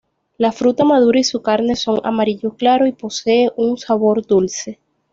La fruta madura y su carne son amarillo claro y posee un sabor dulce.